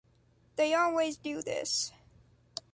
They always do this.